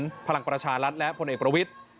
สนับสนุนพลังประชารัฐและพลเอกประวิทธิ์